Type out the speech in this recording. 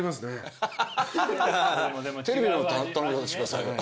テレビの頼み方してください。